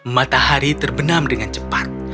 matahari terbenam dengan cepat